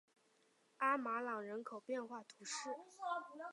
阿马朗人口变化图示